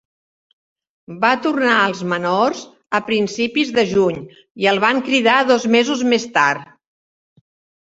Va tornar als menors a principis de juny i el van cridar dos mesos més tard.